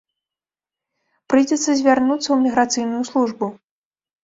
Прыйдзецца звярнуцца ў міграцыйную службу.